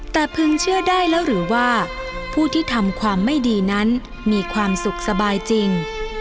แต่พึงเชื่อได้แล้วหรือว่าผู้ที่ทำความไม่ดีนั้นมีความสุขสบายจริง